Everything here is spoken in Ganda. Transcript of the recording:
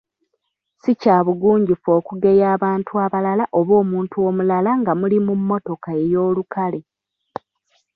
Ssi kya bugunjufu okugeya abantu abalala oba omuntu omulala nga muli mu mmotoka ey’olukale.